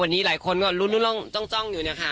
วันนี้หลายคนก็รุ้นรุ่นร่องจ้องอยู่เนี่ยค่ะ